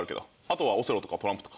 あとはオセロとかトランプとか。